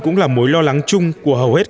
cũng là mối lo lắng chung của hầu hết